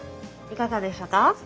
いかがでしたか？